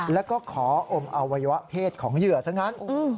แล้วก็ขออมอวัยวะเพศของเหยื่อซะงั้น